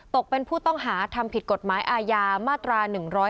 ตกเป็นผู้ต้องหาทำผิดกฎหมายอาญามาตรา๑๔